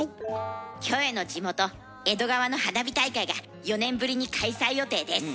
キョエの地元江戸川の花火大会が４年ぶりに開催予定です。